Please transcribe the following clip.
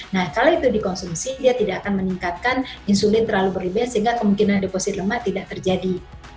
nah kalau itu dikonsumsi dia tidak akan meningkatkan insulin terlalu berlebihan sehingga kemungkinan deposit lemak tidak terjadi